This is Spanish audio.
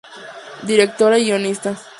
Directora y guionista.